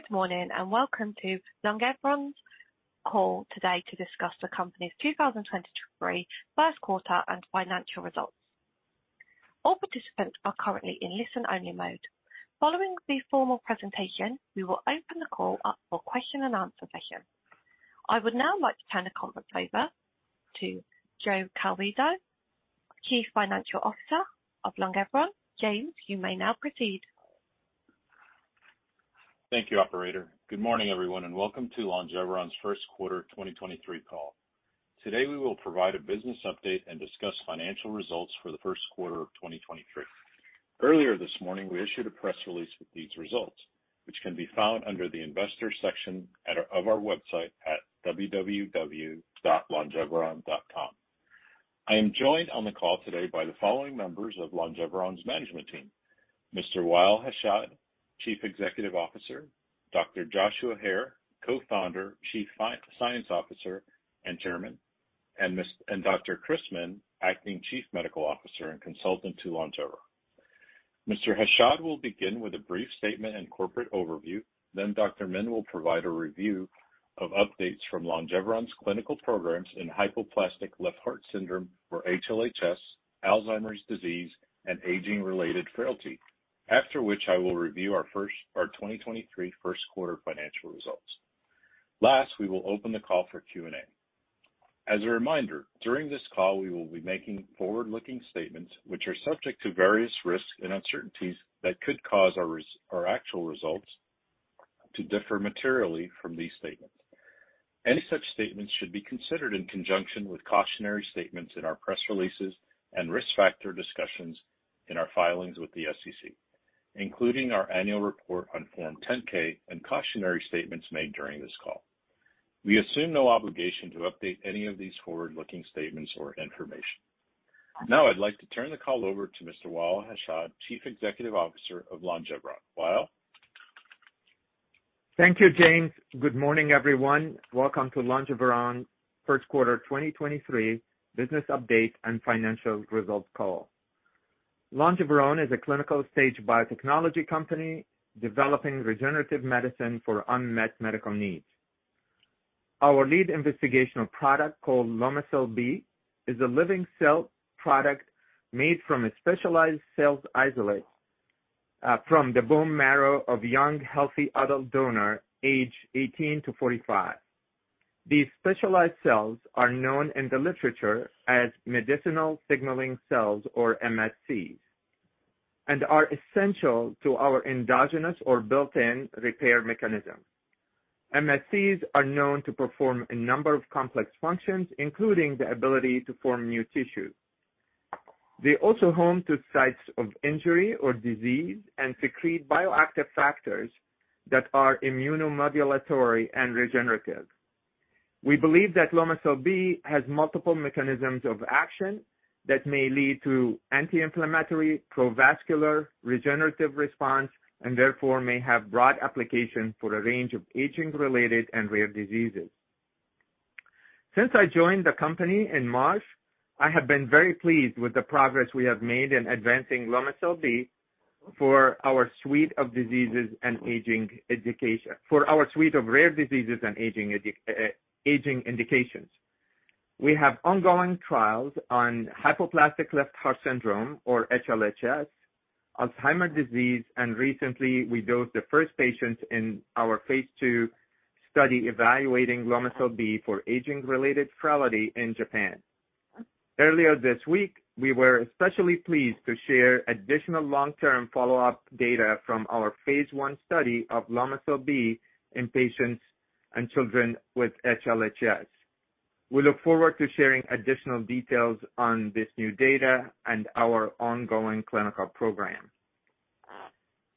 Good morning, welcome to Longeveron's call today to discuss the company's 2023 first quarter and financial results. All participants are currently in listen-only mode. Following the formal presentation, we will open the call up for question and answer session. I would now like to turn the conference over to James Clavijo, Chief Financial Officer of Longeveron. James, you may now proceed. Thank you, operator. Good morning, everyone, and welcome to Longeveron's first quarter 2023 call. Today, we will provide a business update and discuss financial results for the first quarter of 2023. Earlier this morning, we issued a press release with these results, which can be found under the investor section of our website at www.longeveron.com. I am joined on the call today by the following members of Longeveron's management team. Mr. Wa'el Hashad, Chief Executive Officer, Dr. Joshua Hare, Co-founder, Chief Science Officer, and Chairman, and Dr. Chris Min, acting Chief Medical Officer and consultant to Longeveron. Mr. Hashad will begin with a brief statement and corporate overview. Dr. Min will provide a review of updates from Longeveron's clinical programs in Hypoplastic Left Heart Syndrome for HLHS, Alzheimer's disease, and aging-related frailty. After which, I will review our first... our 2023 first quarter financial results. Last, we will open the call for Q&A. As a reminder, during this call, we will be making forward-looking statements, which are subject to various risks and uncertainties that could cause our actual results to differ materially from these statements. Any such statements should be considered in conjunction with cautionary statements in our press releases and risk factor discussions in our filings with the SEC, including our annual report on Form 10-K and cautionary statements made during this call. We assume no obligation to update any of these forward-looking statements or information. Now I'd like to turn the call over to Mr. Wa'el Hashad, Chief Executive Officer of Longeveron. Wa'el? Thank you, James. Good morning, everyone. Welcome to Longeveron first quarter 2023 business update and financial results call. Longeveron is a clinical-stage biotechnology company developing regenerative medicine for unmet medical needs. Our lead investigational product, called Lomecel-B, is a living cell product made from a specialized cells isolate from the bone marrow of young, healthy adult donor aged 18 years-45 years. These specialized cells are known in the literature as Medicinal Signaling Cells, or MSCs, and are essential to our endogenous or built-in repair mechanism. MSCs are known to perform a number of complex functions, including the ability to form new tissue. They also home to sites of injury or disease and secrete bioactive factors that are immunomodulatory and regenerative. We believe that Lomecel-B has multiple mechanisms of action that may lead to anti-inflammatory, pro-vascular, regenerative response and therefore may have broad application for a range of aging-related and rare diseases. Since I joined the company in March, I have been very pleased with the progress we have made in advancing Lomecel-B for our suite of rare diseases and aging indications. We have ongoing trials on Hypoplastic Left Heart Syndrome or HLHS, Alzheimer's disease, and recently we dosed the first patients in our phase II study evaluating Lomecel-B for aging-related frailty in Japan. Earlier this week, we were especially pleased to share additional long-term follow-up data from our phase I study of Lomecel-B in patients and children with HLHS. We look forward to sharing additional details on this new data and our ongoing clinical program.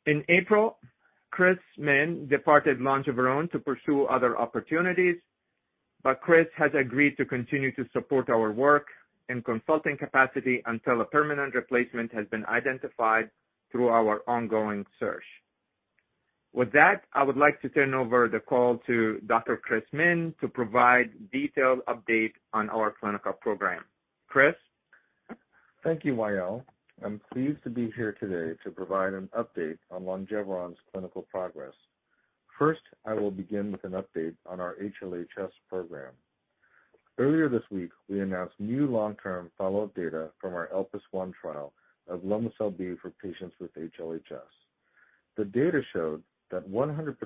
In April, Chris Min departed Longeveron to pursue other opportunities, but Chris has agreed to continue to support our work in consulting capacity until a permanent replacement has been identified through our ongoing search. I would like to turn over the call to Dr. Chris Min to provide detailed update on our clinical program. Chris? Thank you, Wa'el. I'm pleased to be here today to provide an update on Longeveron's clinical progress. First, I will begin with an update on our HLHS program. Earlier this week, we announced new long-term follow-up data from our ELPIS I trial of Lomecel-B for patients with HLHS. The data showed that 100%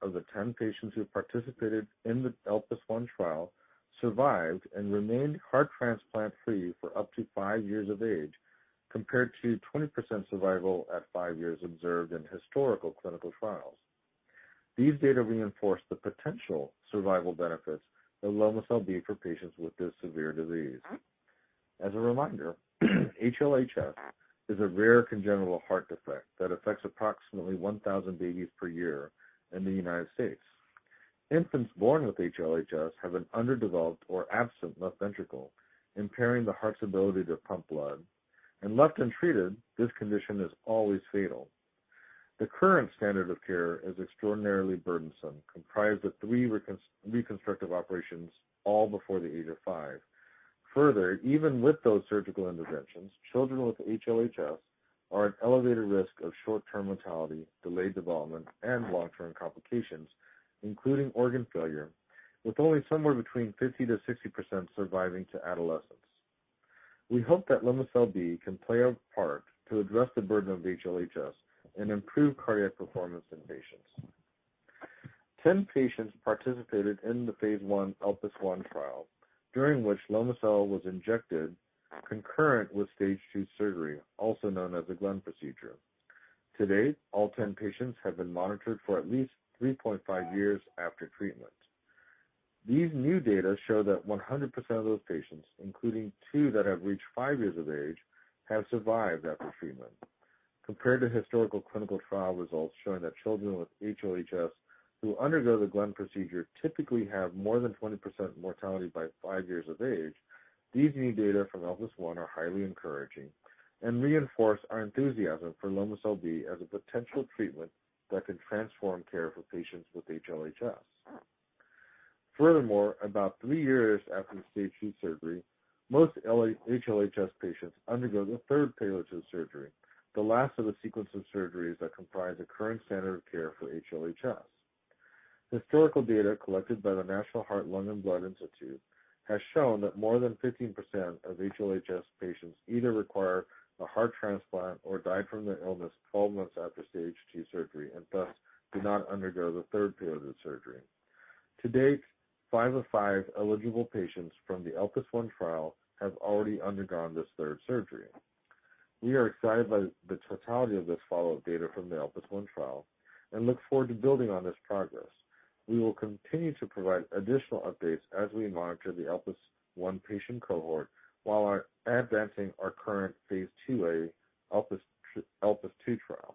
of the 10 patients who participated in the ELPIS I trial survived and remained heart transplant free for up to five years of age, compared to 20% survival at 5 years observed in historical clinical trials. These data reinforce the potential survival benefits of Lomecel-B for patients with this severe disease. As a reminder, HLHS is a rare congenital heart defect that affects approximately 1,000 babies per year in the United States. Infants born with HLHS have an underdeveloped or absent left ventricle, impairing the heart's ability to pump blood. Left untreated, this condition is always fatal. The current standard of care is extraordinarily burdensome, comprised of three reconstructive operations all before the age of five. Further, even with those surgical interventions, children with HLHS are at elevated risk of short-term mortality, delayed development, and long-term complications, including organ failure, with only somewhere between 50%-60% surviving to adolescence. We hope that Lomecel-B can play a part to address the burden of HLHS and improve cardiac performance in patients. 10 patients participated in the phase I ELPIS I trial, during which Lomecel-B was injected concurrent with stage two surgery, also known as the Glenn procedure. To date, all 10 patients have been monitored for at least 3.5 years after treatment. These new data show that 100% of those patients, including two that have reached five years of age, have survived after treatment. Compared to historical clinical trial results showing that children with HLHS who undergo the Glenn procedure typically have more than 20% mortality by five years of age, these new data from ELPIS I are highly encouraging and reinforce our enthusiasm for Lomecel-B as a potential treatment that could transform care for patients with HLHS. About three years after the stage two surgery, most HLHS patients undergo the third stage surgery, the last of a sequence of surgeries that comprise the current standard of care for HLHS. Historical data collected by the National Heart, Lung, and Blood Institute has shown that more than 15% of HLHS patients either require a heart transplant or die from the illness 12 months after stage two surgery, and thus do not undergo the third stage surgery. To date, 5 of 5 eligible patients from the ELPIS I trial have already undergone this third surgery. We are excited by the totality of this follow-up data from the ELPIS I trial and look forward to building on this progress. We will continue to provide additional updates as we monitor the ELPIS I patient cohort while advancing our current phase IIA ELPIS II trial.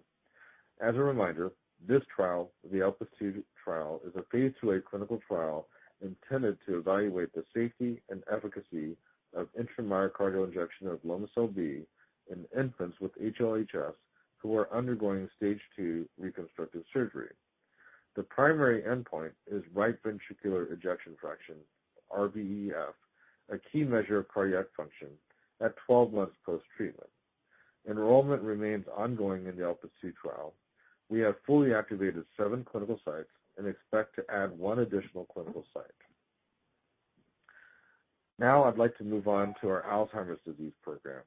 As a reminder, this trial, the ELPIS II trial, is a phase IIa clinical trial intended to evaluate the safety and efficacy of intramyocardial injection of Lomecel-B in infants with HLHS who are undergoing stage 2 reconstructive surgery. The primary endpoint is right ventricular ejection fraction, RVEF, a key measure of cardiac function at 12 months post-treatment. Enrollment remains ongoing in the ELPIS II trial. We have fully activated seven clinical sites and expect to add one additional clinical site. Now I'd like to move on to our Alzheimer's disease program.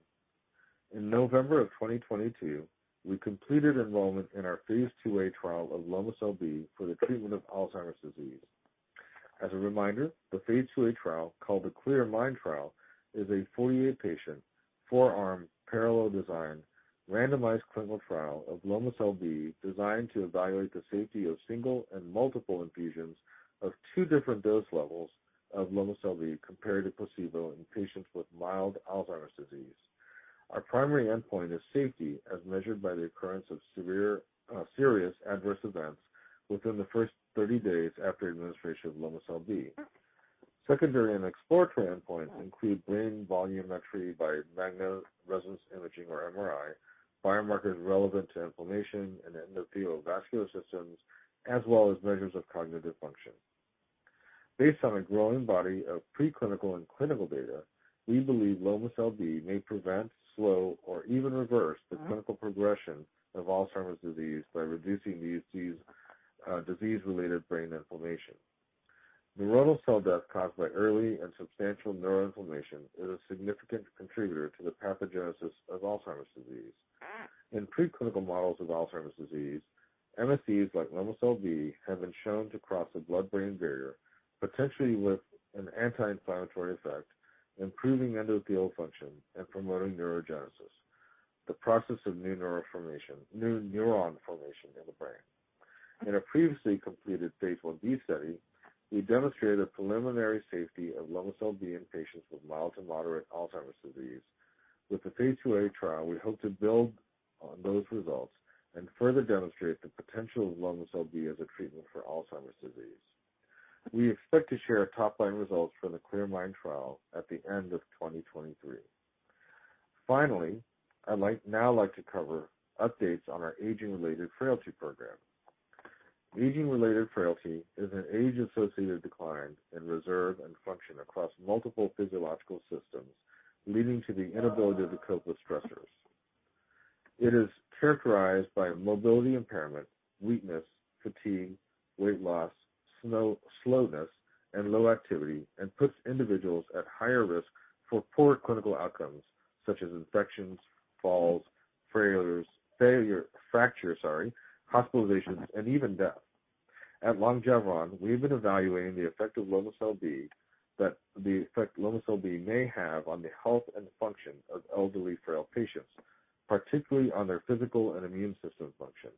In November of 2022, we completed enrollment in our phase IIA trial of Lomecel-B for the treatment of Alzheimer's disease. As a reminder, the phase IIA trial, called the CLEAR MIND trial, is a 48-patient, four-arm, parallel design, randomized clinical trial of Lomecel-B designed to evaluate the safety of single and multiple infusions of two different dose levels of Lomecel-B compared to placebo in patients with mild Alzheimer's disease. Our primary endpoint is safety as measured by the occurrence of severe, serious adverse events within the first 30 days after administration of Lomecel-B. Secondary and exploratory endpoints include brain volumetry by magnetic resonance imaging or MRI, biomarkers relevant to inflammation in endothelial vascular systems, as well as measures of cognitive function. Based on a growing body of preclinical and clinical data, we believe Lomecel-B may prevent, slow, or even reverse the clinical progression of Alzheimer's disease by reducing the disease-related brain inflammation. Neuronal cell death caused by early and substantial neuroinflammation is a significant contributor to the pathogenesis of Alzheimer's disease. In preclinical models of Alzheimer's disease, MSCs like Lomecel-B have been shown to cross the blood-brain barrier, potentially with an anti-inflammatory effect, improving endothelial function and promoting neurogenesis, the process of new neuron formation in the brain. In a previously completed phase IB study, we demonstrated preliminary safety of Lomecel-B in patients with mild to moderate Alzheimer's disease. With the phase IIA trial, we hope to build on those results and further demonstrate the potential of Lomecel-B as a treatment for Alzheimer's disease. We expect to share our top-line results for the CLEAR MIND trial at the end of 2023. Now like to cover updates on our aging-related frailty program. Aging-related frailty is an age-associated decline in reserve and function across multiple physiological systems, leading to the inability to cope with stressors. It is characterized by mobility impairment, weakness, fatigue, weight loss, slowness, and low activity, and puts individuals at higher risk for poor clinical outcomes such as infections, falls, failure, fracture, sorry, hospitalizations, and even death. At Longeveron, we've been evaluating the effect Lomecel-B may have on the health and function of elderly frail patients, particularly on their physical and immune system function.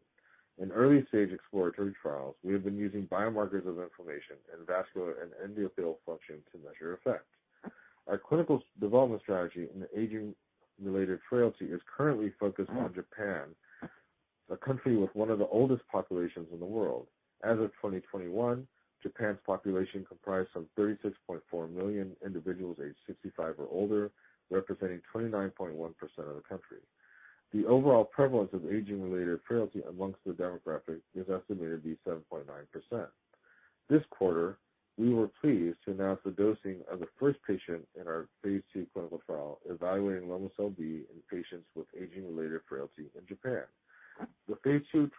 In early-stage exploratory trials, we have been using biomarkers of inflammation and vascular and endothelial function to measure effect. Our clinical development strategy in aging-related frailty is currently focused on Japan, a country with one of the oldest populations in the world. As of 2021, Japan's population comprised some 36.4 million individuals aged 65 or older, representing 29.1% of the country. The overall prevalence of aging-related frailty amongst the demographic is estimated to be 7.9%. This quarter, we were pleased to announce the dosing of the first patient in our phase II clinical trial evaluating Lomecel-B in patients with aging-related frailty in Japan. The phase II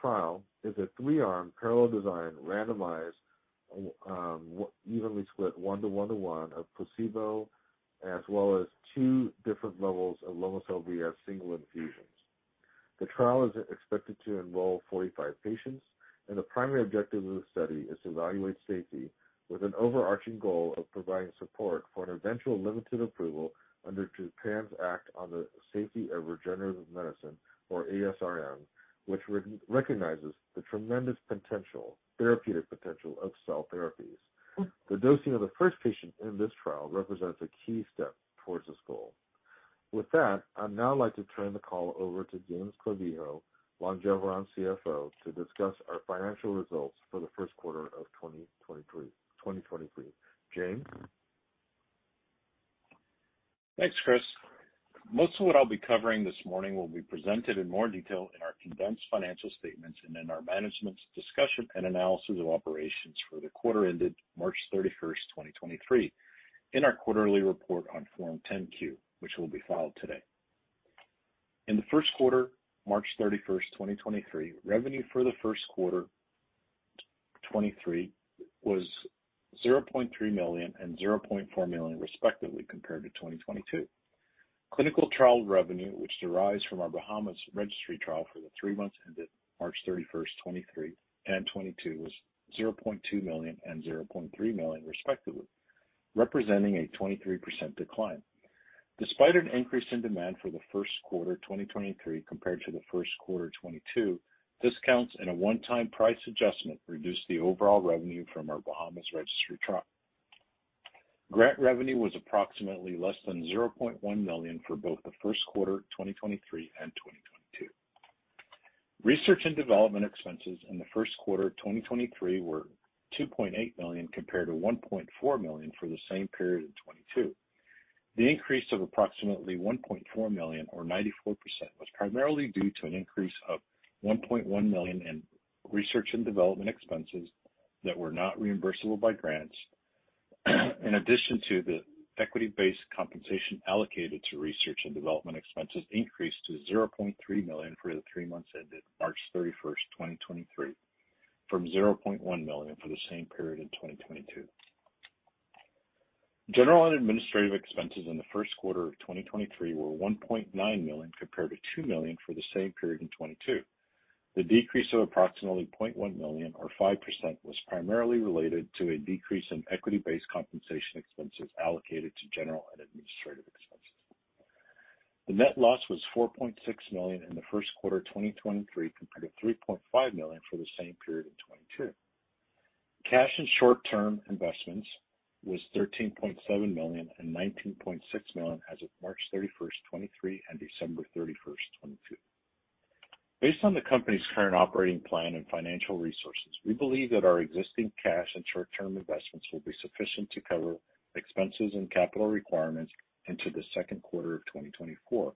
trial is a three-arm parallel design, randomized, evenly split 1 to 1 to 1 of placebo as well as two different levels of Lomecel-B as single infusions. The trial is expected to enroll 45 patients, and the primary objective of the study is to evaluate safety with an overarching goal of providing support for an eventual limited approval under Japan's Act on the Safety of Regenerative Medicine, or ASRM, which re-recognizes the tremendous potential, therapeutic potential of cell therapies. The dosing of the first patient in this trial represents a key step towards this goal. With that, I'd now like to turn the call over to James Clavijo, Longeveron CFO, to discuss our financial results for the first quarter of 2023. James. Thanks, Chris. Most of what I'll be covering this morning will be presented in more detail in our condensed financial statements and in our management's discussion and analysis of operations for the quarter ended March 31st, 2023 in our quarterly report on Form 10-Q, which will be filed today. In the first quarter, March 31st, 2023, revenue for the first quarter 2023 was $0.3 million and $0.4 million respectively, compared to 2022. Clinical trial revenue, which derives from our Bahamas registry trial for the three months ended March 31st, 2023 and 2022, was $0.2 million and $0.3 million respectively, representing a 23% decline. Despite an increase in demand for the first quarter 2023 compared to the first quarter 2022, discounts and a one-time price adjustment reduced the overall revenue from our Bahamas registry trial. Grant revenue was approximately less than $0.1 million for both the first quarter 2023 and 2022. Research and development expenses in the first quarter 2023 were $2.8 million, compared to $1.4 million for the same period in 2022. The increase of approximately $1.4 million or 94% was primarily due to an increase of $1.1 million in research and development expenses that were not reimbursable by grants, in addition to the equity-based compensation allocated to research and development expenses increased to $0.3 million for the three months ended March 31st, 2023, from $0.1 million for the same period in 2022. General and administrative expenses in the first quarter of 2023 were $1.9 million, compared to $2 million for the same period in 2022. The decrease of approximately $0.1 million or 5% was primarily related to a decrease in equity-based compensation expenses allocated to general and administrative expenses. The net loss was $4.6 million in the first quarter of 2023, compared to $3.5 million for the same period in 2022. Cash and short-term investments was $13.7 million and $19.6 million as of March 31st, 2023, and December 31st, 2022. Based on the company's current operating plan and financial resources, we believe that our existing cash and short-term investments will be sufficient to cover expenses and capital requirements into the second quarter of 2024.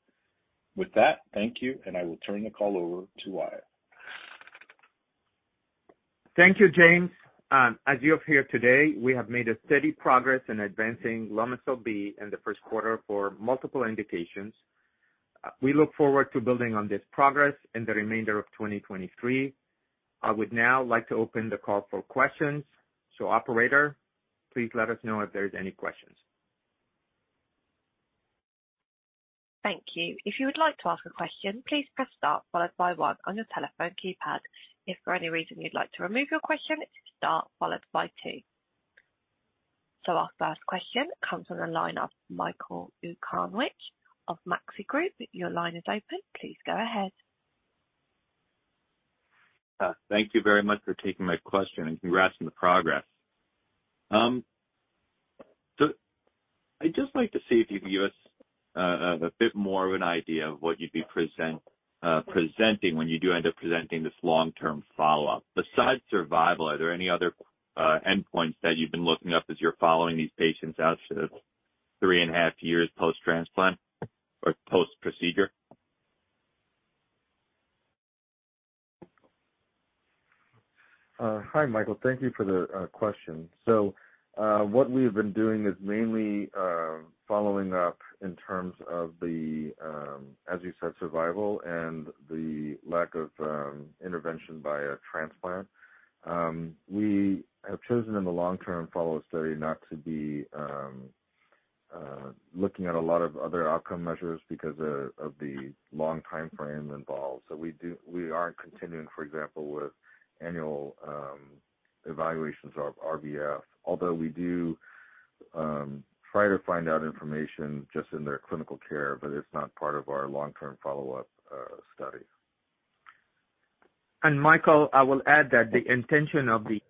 With that, thank you, and I will turn the call over to Wa'el. Thank you, James. As you have heard today, we have made a steady progress in advancing Lomecel-B in the first quarter for multiple indications. We look forward to building on this progress in the remainder of 2023. I would now like to open the call for questions. Operator, please let us know if there's any questions. Thank you. If you would like to ask a question, please press star followed by 1 on your telephone keypad. If for any reason you'd like to remove your question, it's star followed by two. Our first question comes on the line of Michael Okunewitch of Maxim Group. Your line is open. Please go ahead. Thank you very much for taking my question and congrats on the progress. I'd just like to see if you can give us a bit more of an idea of what you'd be presenting when you do end up presenting this long-term follow-up. Besides survival, are there any other endpoints that you've been looking up as you're following these patients out to 3.5 years post-transplant or post-procedure? Hi, Michael. Thank you for the question. What we have been doing is mainly following up in terms of the, as you said, survival and the lack of intervention via transplant. We have chosen in the long-term follow study not to be looking at a lot of other outcome measures because of the long timeframe involved. We aren't continuing, for example, with annual evaluations of RBF. Although we do try to find out information just in their clinical care, but it's not part of our long-term follow-up study. Michael, I will add that the intention of the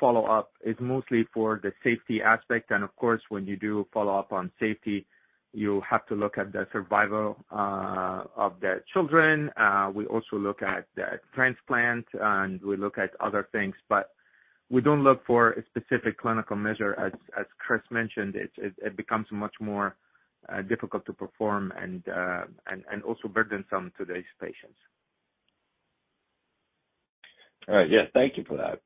follow-up is mostly for the safety aspect. Of course, when you do follow-up on safety, you have to look at the survival of the children. We also look at the transplant, and we look at other things. We don't look for a specific clinical measure. As Chris mentioned, it becomes much more difficult to perform and also burdensome to these patients. All right. Yeah, thank you for that.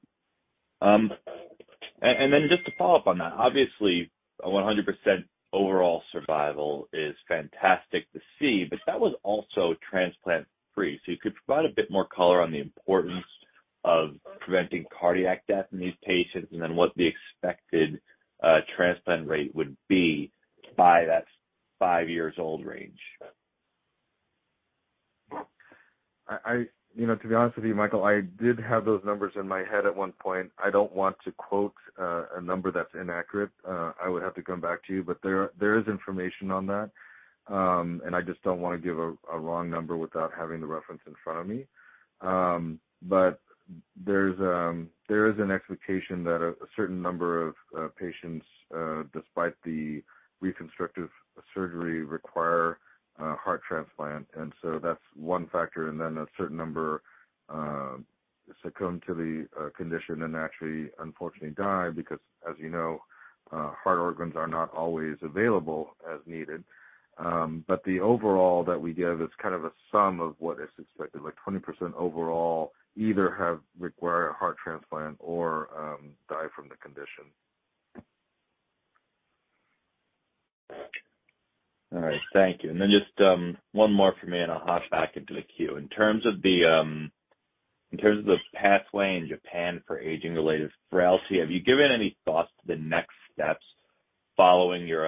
Just to follow up on that, obviously 100% overall survival is fantastic to see, but that was also transplant-free. You could provide a bit more color on the importance of preventing cardiac death in these patients and then what the expected transplant rate would be by that five years old range? You know, to be honest with you, Michael, I did have those numbers in my head at one point. I don't want to quote a number that's inaccurate. I would have to come back to you, but there is information on that. And I just don't wanna give a wrong number without having the reference in front of me. But there's an expectation that a certain number of patients despite the reconstructive surgery require a heart transplant. That's one factor. Then a certain number succumb to the condition and actually unfortunately die because, as you know, heart organs are not always available as needed. The overall that we give is kind of a sum of what is expected, like 20% overall either have require a heart transplant or die from the condition. All right. Thank you. Just one more for me, and I'll hop back into the queue. In terms of the pathway in Japan for aging-related frailty, have you given any thoughts to the next steps following your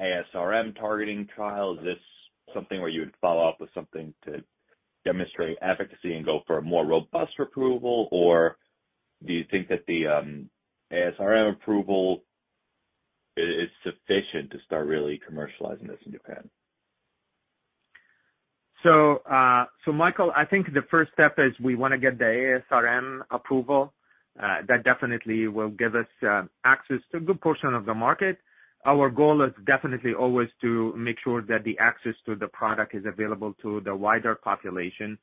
ASRM targeting trial? Is this something where you would follow up with something to demonstrate efficacy and go for a more robust approval, or do you think that the ASRM approval is sufficient to start really commercializing this in Japan? Michael, I think the first step is we wanna get the ASRM approval. That definitely will give us access to a good portion of the market. Our goal is definitely always to make sure that the access to the product is available to the wider population.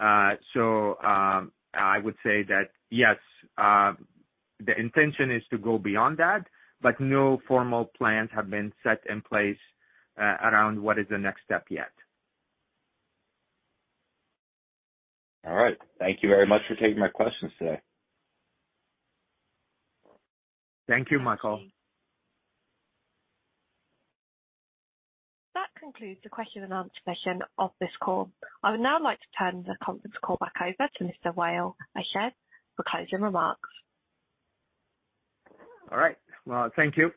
I would say that, yes, the intention is to go beyond that, but no formal plans have been set in place around what is the next step yet. All right. Thank you very much for taking my questions today. Thank you, Michael. That concludes the question and answer session of this call. I would now like to turn the conference call back over to Mr. Wa'el Hashad for closing remarks. All right. Well, thank you.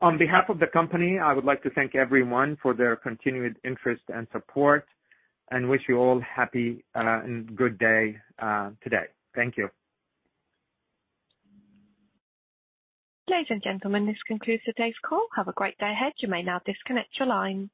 On behalf of the company, I would like to thank everyone for their continued interest and support and wish you all happy and good day today. Thank you. Ladies and gentlemen, this concludes today's call. Have a great day ahead. You may now disconnect your line.